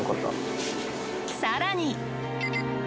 さらに。